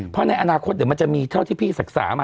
เพราะในอนาคตเดี๋ยวมันจะมีเท่าที่พี่ศึกษามา